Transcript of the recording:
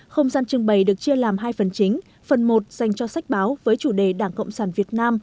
không gian trưng bày được chia làm hai phần chính phần một dành cho sách báo với chủ đề đảng cộng sản việt nam